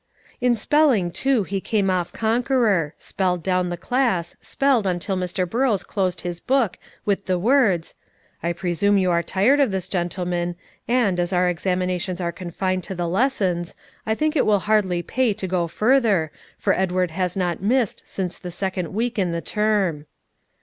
In spelling, too, he came off conqueror; spelled down the class, spelled until Mr. Burrows closed his book with the words, "I presume you are tired of this, gentlemen, and, as our examinations are confined to the lessons, I think it will hardly pay to go further, for Edward has not missed since the second week in the term."